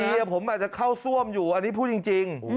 ผมอาจจะเข้าซ่วมอยู่อันนี้พูดจริง